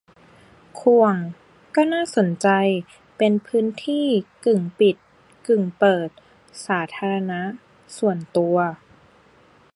ข่วง ก็น่าสนใจ เป็นพื้นที่กึ่งปิดกึ่งเปิด สาธารณะ-ส่วนตัว